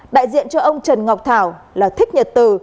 đại diện cho ông trần ngọc thảo là thích nhật từ